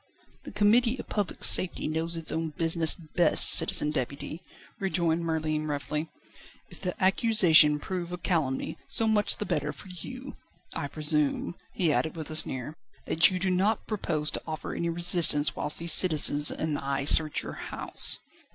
"The Committee of Public Safety knows its own business best, Citizen Deputy," rejoined Merlin roughly. "If the accusation prove a calumny, so much the better for you. I presume," he added with a sneer, "that you do not propose to offer any resistance whilst these citizens and I search your house."